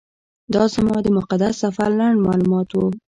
دا زما د مقدس سفر لنډ معلومات و.